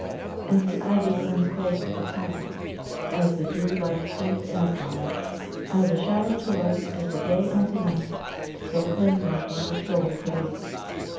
"As the ivy clings close to the tower, As the dew lieth deep in a flower, As the shadow to light, as the day unto night, So clings my wild soul to thee!